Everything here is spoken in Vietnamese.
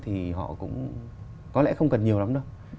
thì họ cũng có lẽ không cần nhiều lắm đâu